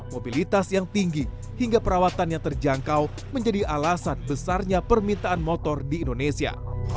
mobilitas yang tinggi hingga perawatan yang terjangkau menjadi alasan besarnya permintaan motor di indonesia